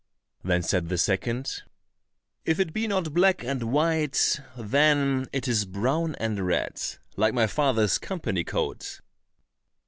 Then said the second, "If it be not black and white, then it is brown and red, like my father's company coat."